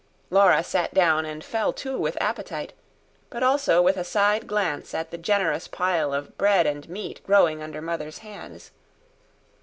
Laura sat down and fell to with appetite, but also with a side glance at the generous pile of bread and meat growing under Mother's hands.